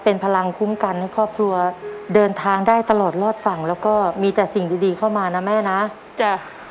เป็นพลังคุ้มกันให้ครอบครัวเดินทางได้ตลอดรอดฝั่งแล้วก็มีแต่สิ่งดีดีเข้ามานะแม่นะจ้ะ